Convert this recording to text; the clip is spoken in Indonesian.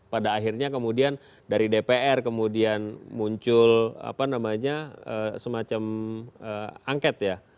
pada akhirnya kemudian dari dpr kemudian muncul semacam angket ya